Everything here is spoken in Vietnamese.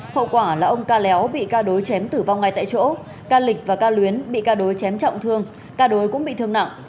hậu quả là ông ca léo bị ca đối chém tử vong ngay tại chỗ ca lịch và ca luyến bị ca đối chém trọng thương ca đối cũng bị thương nặng